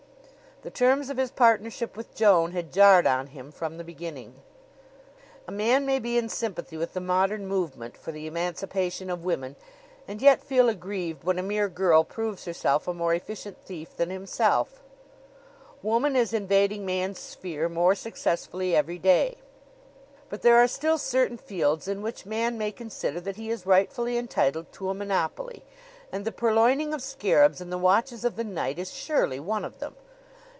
The terms of his partnership with Joan had jarred on him from the beginning. A man may be in sympathy with the modern movement for the emancipation of woman and yet feel aggrieved when a mere girl proves herself a more efficient thief than himself. Woman is invading man's sphere more successfully every day; but there are still certain fields in which man may consider that he is rightfully entitled to a monopoly and the purloining of scarabs in the watches of the night is surely one of them.